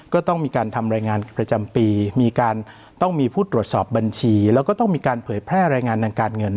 ก็ต้องมีการทำรายงานประจำปีมีการต้องมีผู้ตรวจสอบบัญชีแล้วก็ต้องมีการเผยแพร่รายงานทางการเงิน